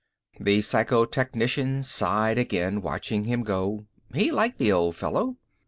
The psychotechnician sighed again, watching him go. He liked the old fellow.